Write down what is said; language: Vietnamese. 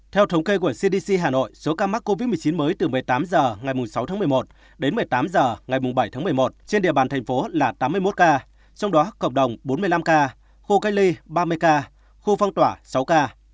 theo thống kê của cdc hà nội số ca mắc covid một mươi chín mới từ một mươi tám h ngày sáu tháng một mươi một đến một mươi tám h ngày bảy tháng một mươi một trên địa bàn thành phố là tám mươi một ca trong đó cộng đồng bốn mươi năm ca khu cách ly ba mươi ca khu phong tỏa sáu ca